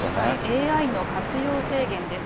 ＡＩの活用制限です。